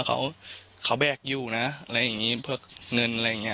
ฟังเสียงลูกจ้างรัฐตรเนธค่ะ